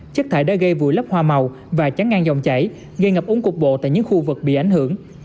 chất thải đã gây vụi lắp hoa màu và chắn ngang dòng chảy gây ngập ống cục bộ tại những khu vực bị ảnh hưởng